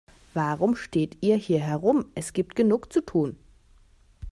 Warum steht ihr hier herum, es gibt genug zu tun.